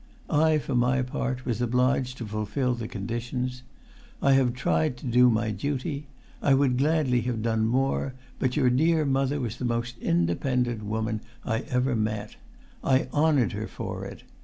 I, for my part, was obliged to fulfil the conditions. I have tried to do my duty. I would gladly have done more, but your dear mother was the most independent woman I ever met. I honoured her for it.